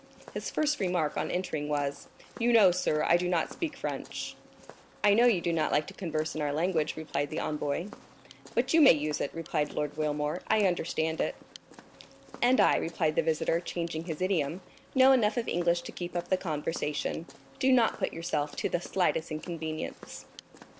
His first remark on entering was: "You know, sir, I do not speak French?" "I know you do not like to converse in our language," replied the envoy. "But you may use it," replied Lord Wilmore; "I understand it." "And I," replied the visitor, changing his idiom, "know enough of English to keep up the conversation. Do not put yourself to the slightest inconvenience."